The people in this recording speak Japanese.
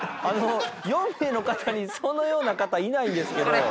あの４名の方にそのような方いないんですけど。